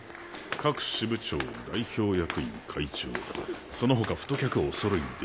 各支部長代表役員会長そのほか太客おそろいで。